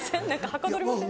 はかどりません？